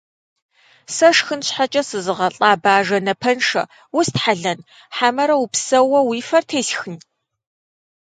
Сэ шхын щхьэкӀэ сызыгъалӀэ Бажэ напэншэ, устхьэлэн хьэмэрэ упсэууэ уи фэр тесхын?!